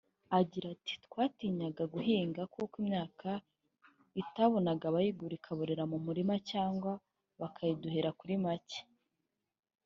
Agira ati “Twatinyaga guhinga kuko imyaka itabonaga abayigura ikaborera mu mirima cyangwa bakayiduhera kuri make